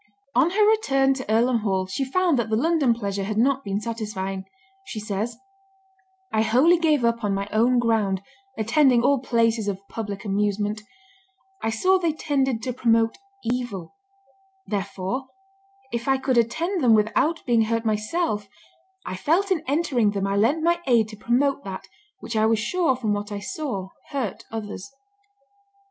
On her return to Earlham Hall she found that the London pleasure had not been satisfying. She says, "I wholly gave up on my own ground, attending all places of public amusement; I saw they tended to promote evil; therefore, if I could attend them without being hurt myself, I felt in entering them I lent my aid to promote that which I was sure from what I saw hurt others."